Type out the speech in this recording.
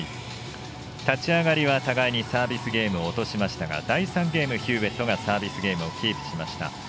立ち上がりは互いにサービスゲームを落としましたが第３ゲーム、サービスゲームをヒューウェットがキープしました。